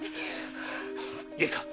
〔いいか。